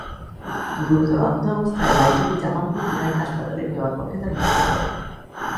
গুরুতর আহত অবস্থায় লাইজুকে জামালপুর জেনারেল হাসপাতালে নেওয়ার পথে তার মৃত্যু হয়।